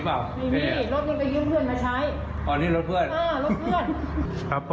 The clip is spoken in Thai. เพื่อนพ่อมาอยู่ขับแทนพ่อ